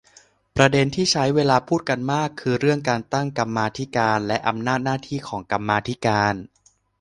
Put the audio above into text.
ประเด็นที่ใช้เวลาพูดกันมาก คือเรื่องการตั้งกรรมมาธิการ และ อำนาจหน้าที่ของกรรมาธิการ